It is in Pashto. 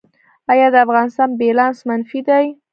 آیا د افغانستان بیلانس منفي دی؟